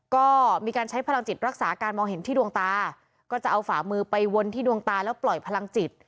ก็มีการใช้พลังจิตรักษาการมองเห็นที่ดวงตาก็จะเอาฝ่ามือไปวนที่ดวงตาแล้วปล่อยพลังจิต